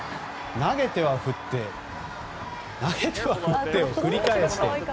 投げては振って投げては振ってを繰り返して。